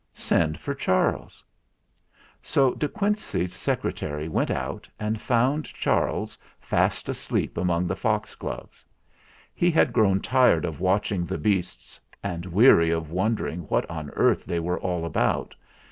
Send for Charles !" So De Quincey's Secretary went out, and found Charles fast asleep among the foxgloves. He had grown tired of watching the beasts, and weary of wondering what on earth they were all about.